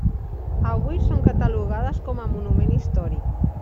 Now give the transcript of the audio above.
Avui són catalogades com a monument històric.